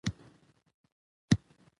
متني نقاد هغه دﺉ، چي متن څېړي.